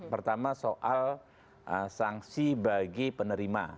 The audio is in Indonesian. pertama soal sanksi bagi penerima